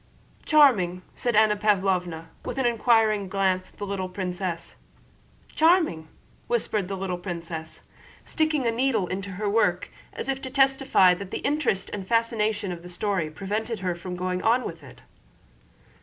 "Charming!" said Anna Pávlovna with an inquiring glance at the little princess. "Charming!" whispered the little princess, sticking the needle into her work as if to testify that the interest and fascination of the story prevented her from going on with it.